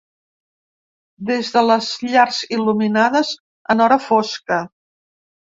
Des de les llars il·luminades en hora fosca.